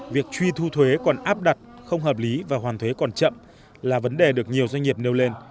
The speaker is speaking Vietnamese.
việc truy thu thuế còn áp đặt không hợp lý và hoàn thuế còn chậm là vấn đề được nhiều doanh nghiệp nêu lên